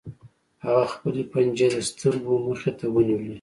هغه خپلې پنجې د سترګو مخې ته ونیولې